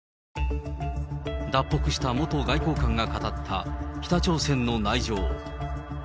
脱北した元外交官が語った北朝鮮の内情。